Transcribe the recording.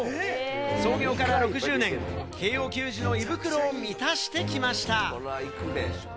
創業から６０年、慶應球児の胃袋を満たしてきました。